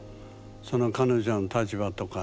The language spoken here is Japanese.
その彼女の立場とか何か。